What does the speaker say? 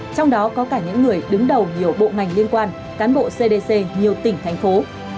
trong đó có cả những người đứng đầu nhiều bộ ngành liên quan cán bộ cdc nhiều tỉnh thành phố